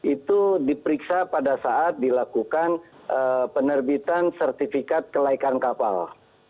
itu diperiksa pada saat dilakukan penerbitan sertifikat kelaikan kapal